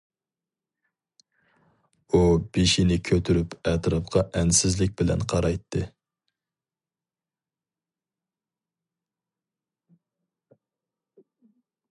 ئۇ بېشىنى كۆتۈرۈپ ئەتراپقا ئەنسىزلىك بىلەن قارايتتى.